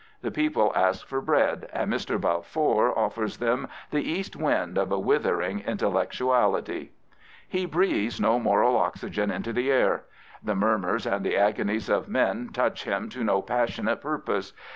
The people ask for bread, and Mr. Balfour offers them the east wind of a withering intellectuality. He breathes no moral oxygen into the air. The murmurs and the agonies of men touch him to no passionate purpose.